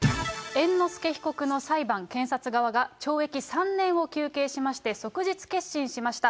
猿之助被告の裁判、検察側が懲役３年を求刑しまして、即日結審しました。